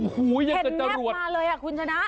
เห็นแน๊บมาเลยคุณชนะ